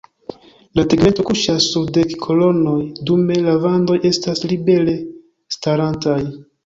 La tegmento kuŝas sur dek kolonoj dume la vandoj estas libere starantaj.